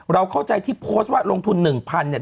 เราเข้าใจที่โพสต์ว่าลงทุน๑๐๐เนี่ย